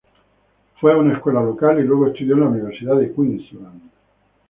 Fue a una escuela local y luego estudió en la Universidad de Queensland.